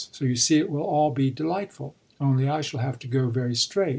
So you see it will all be delightful. Only I shall have to go very straight.